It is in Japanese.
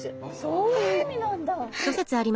そういう意味なんだ。